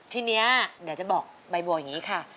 ทีนี้เดี๋ยวจะบอกใบบัวอย่างนี้ค่ะ